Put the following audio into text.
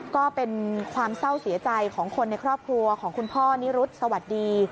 ก็เป็นความเศร้าเสียใจของคนในครอบครัวของคุณพ่อนิรุธสวัสดี